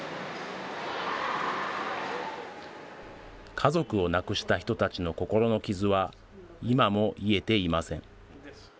家族を亡くした人たちの心の傷は今も癒えていません。